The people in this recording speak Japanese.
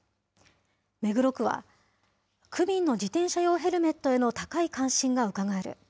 目黒区は、区民の自転車用ヘルメットへの高い関心がうかがえる。